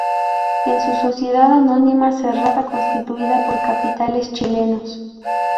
Es una sociedad anónima cerrada constituida por capitales chilenos.